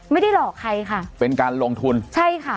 ไม่ได้หลอกใครค่ะเป็นการลงทุนใช่ค่ะ